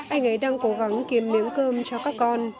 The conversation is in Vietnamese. anh ấy đang cố gắng kiếm miếng cơm cho các con